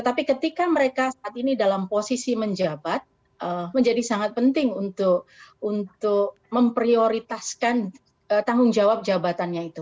tapi ketika mereka saat ini dalam posisi menjabat menjadi sangat penting untuk memprioritaskan tanggung jawab jabatannya itu